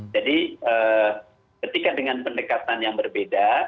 jadi ketika dengan pendekatan yang berbeda